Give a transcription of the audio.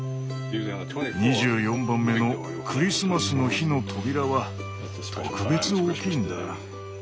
２４番目のクリスマスの日の扉は特別大きいんだ。